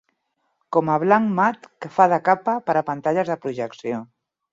Com a blanc mat que fa de capa per a pantalles de projecció.